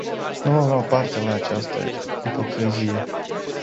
Nu vom lua parte la această ipocrizie.